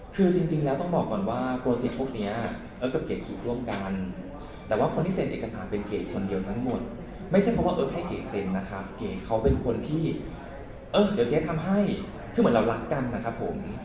หรือว่าลงธุรกิจเรามีสูญที่ว่ามันกระทำใจหรือมีส่วนในตรงนั้นบ้างคะ